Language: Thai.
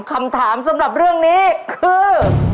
คำถามสำหรับเรื่องนี้คือ